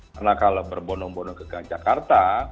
karena kalau berbondong bondong ke jakarta